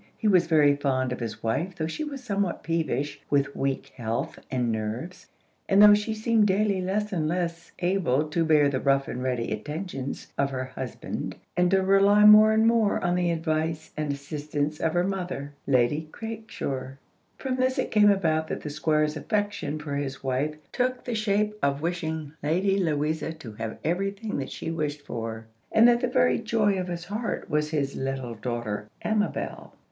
He was very fond of his wife, though she was somewhat peevish, with weak health and nerves, and though she seemed daily less able to bear the rough and ready attentions of her husband, and to rely more and more on the advice and assistance of her mother, Lady Craikshaw. From this it came about that the Squire's affection for his wife took the shape of wishing Lady Louisa to have every thing that she wished for, and that the very joy of his heart was his little daughter Amabel.